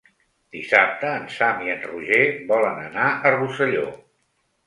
Dissabte en Sam i en Roger volen anar a Rosselló.